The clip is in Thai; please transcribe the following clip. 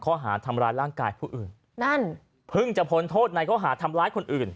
ข้อหาทำร้ายร่างกายผู้อื่นนั่นเพิ่งจะพ้นโทษในข้อหาทำร้ายคนอื่น